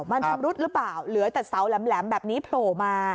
มันชำรุดหรือเปล่าเหลือแต่เสาแหลมแบบนี้โผล่มา